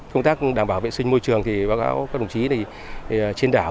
công tác đảm bảo vệ sinh môi trường thì báo cáo các đồng chí thì trên đảo